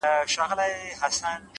زحمت د هیلو ژبه ده’